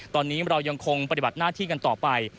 ตอนนี้เรายังคงปฏิบัติหน้าที่กันต่อไป